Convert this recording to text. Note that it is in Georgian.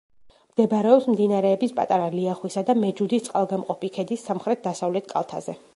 მდებარეობს მდინარეების პატარა ლიახვისა და მეჯუდის წყალგამყოფი ქედის სამხრეთ-დასავლეთ კალთაზე.